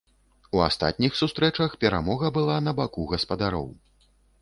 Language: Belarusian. У астатніх сустрэчах перамога была на баку гаспадароў.